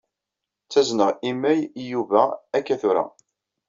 Ttazneɣ imay i Yuba akka tura.